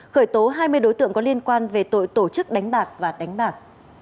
khởi tố hai mươi đối tượng có liên quan về tội tổ chức đánh bạc và đánh bạc